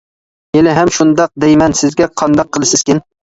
-ھېلىھەم شۇنداق دەيمەن سىزگە، قانداق قىلىسىزكىن.